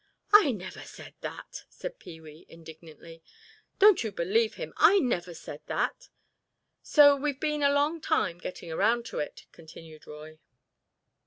"I never said that!" cried Pee wee, indignantly. "Don't you believe him, I never said that!" "So we've been a long time getting around to it," continued Roy.